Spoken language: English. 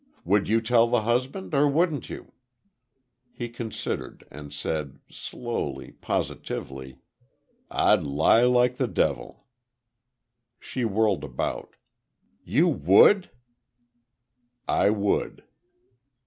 Would you tell the husband, or wouldn't you?" He considered; and said, slowly, positively: "I'd lie like the devil." She whirled about. "You would?" "I would."